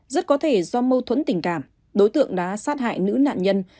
rất có thể do mâu thuẫn tình cảm đối tượng đã sát hại nữ nạn nhân